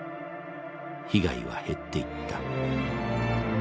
被害は減っていった。